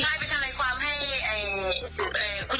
สวัสดีครับทุกคน